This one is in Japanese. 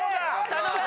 頼む！